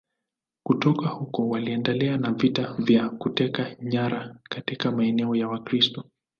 Kutoka huko waliendelea na vita za kuteka nyara katika maeneo ya Wakristo.